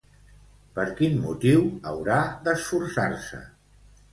Per quin motiu haurà d'esforçar-se?